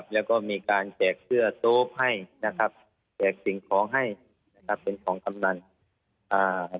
แล้วก็มีการแจกเสื้อโต๊ปให้แจกสิ่งของให้เป็นของกำลัง